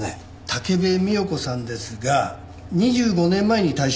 武部美代子さんですが２５年前に退職しております。